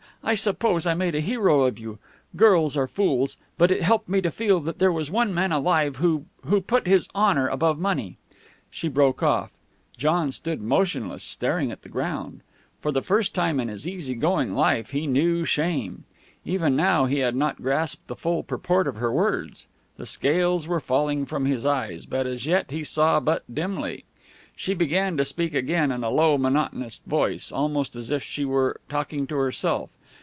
"I suppose I made a hero of you. Girls are fools. But it helped me to feel that there was one man alive who who put his honor above money " She broke off. John stood motionless, staring at the ground. For the first time in his easy going life he knew shame. Even now he had not grasped to the full the purport of her words. The scales were falling from his eyes, but as yet he saw but dimly. She began to speak again, in a low, monotonous voice, almost as if she were talking to herself.